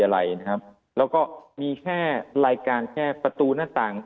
อะไรนะครับแล้วก็มีแค่รายการแค่ประตูหน้าต่าง